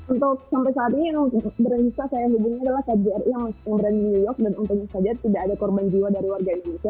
untuk sampai saat ini yang bisa saya hubungi adalah kjri yang berada di new york dan untungnya saja tidak ada korban jiwa dari warga indonesia